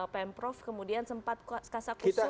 pemprov kemudian sempat kasa kusut